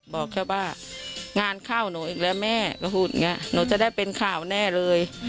บอกแค่ว่างานเข้าหนูอีกแล้วแม่ก็พูดอย่างนี้หนูจะได้เป็นข่าวแน่เลย